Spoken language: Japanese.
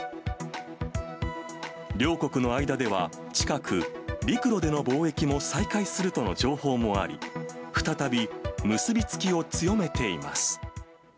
両国の間では近く、陸路での貿易も再開するとの情報もあり、再び結び付きを強めています。